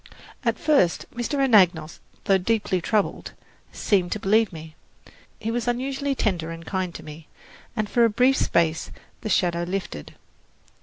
At first Mr. Anagnos, though deeply troubled, seemed to believe me. He was unusually tender and kind to me, and for a brief space the shadow lifted.